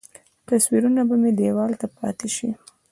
تصویرونه به مې دیوال ته پاتې شي.